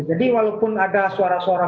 walaupun ada suara suara